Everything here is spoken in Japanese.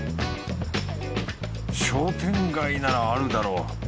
商店街ならあるだろう。